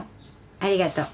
ありがとう。